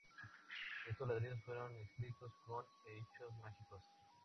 Estos ladrillos fueron inscritos con hechizos mágicos.